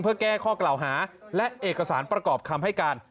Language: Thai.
เพื่อแก้ข้อกล่าวหาและเอกสารประกอบคำให้การ